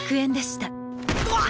うわっ！